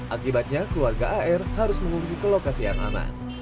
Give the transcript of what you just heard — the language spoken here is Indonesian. akibatnya keluarga ar harus mengungsi ke lokasi yang aman